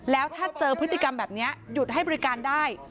แล้วถ้าเจอพฤติกรรมแบบนี้หยุดให้บริการได้